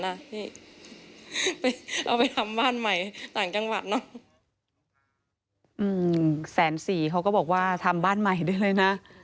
เราไปเราไปทำบ้านใหม่ต่างจังหวัดเนอะอืมแสนสี่เขาก็บอกว่าทำบ้านใหม่ได้เลยน่ะ